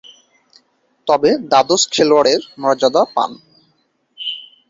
তবে, দ্বাদশ খেলোয়াড়ের মর্যাদা পান।